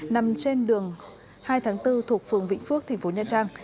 nằm trên đường hai tháng bốn thuộc phường vĩnh phước tp nha trang